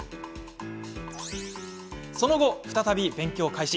その後、再び勉強開始。